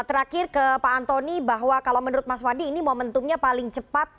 terakhir ke pak antoni bahwa kalau menurut mas wandi ini momentumnya paling cepat